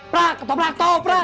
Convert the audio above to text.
prak ketoprak ketoprak